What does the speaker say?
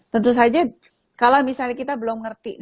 tentu saja kalau misalnya kita belum ngerti